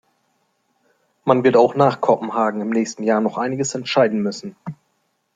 Man wird auch nach Kopenhagen im nächsten Jahr noch einiges entscheiden müssen.